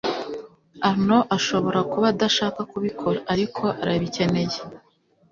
Arnaud ashobora kuba adashaka kubikora, ariko arabikeneye.